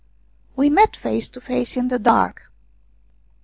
We met face to face in the dark.